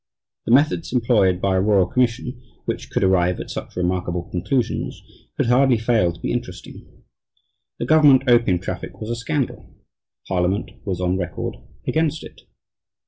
The methods employed by a Royal Commission which could arrive at such remarkable conclusions could hardly fail to be interesting. The Government opium traffic was a scandal. Parliament was on record against it.